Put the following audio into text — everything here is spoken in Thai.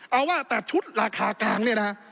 เอาว่าแต่ชุดราคากลางเนี่ยนะฮะ